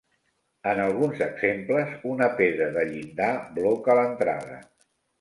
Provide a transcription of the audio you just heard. En alguns exemples, una pedra de llindar bloca l'entrada.